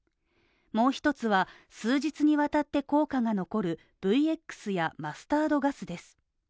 もう一つは、数日にわたって効果が残るＶＸやマスタードガスです。